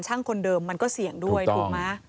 คนเดิมมันก็เสี่ยงด้วยถูกไหม